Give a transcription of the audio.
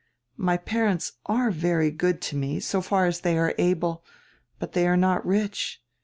My parents are very good to me, so far as they are able, but they are not rich.